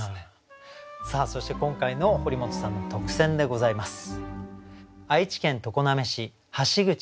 さあそして今回の堀本さんの特選でございます。